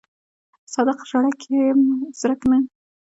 صادق ژړک یم زرک نه.